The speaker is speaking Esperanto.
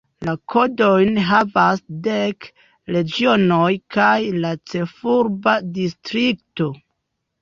La kodojn havas dek regionoj kaj la ĉefurba distrikto.